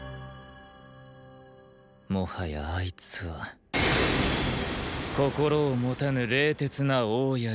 もはやあいつはーー心を持たぬ冷徹な大槍だ。